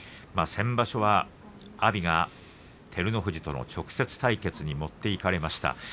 先場所は阿炎が照ノ富士との直接対決に持っていかれました。